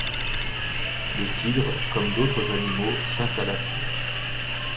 Le tigre, comme d'autres animaux, chasse à l'affût.